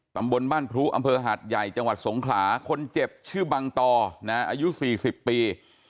ตำบลบ้านพรุอำเภอหาดใหญ่จังหวัดสงขลาคนเจ็บชื่อบังตออายุ๔๐ปี